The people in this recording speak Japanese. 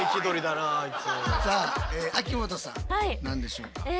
何でしょうか？